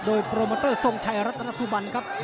โดยโปรโมเตอร์ทรงชัยรัตนสุบันครับ